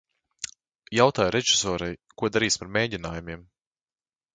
Jautāju režisorei, ko darīsim ar mēģinājumiem.